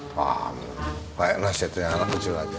kayak nasi itu yang anak kecil aja